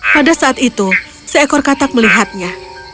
pada saat itu seekor katak melihatnya